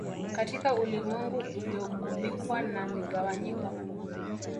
Katika ulimwengu uliogubikwa na migawanyiko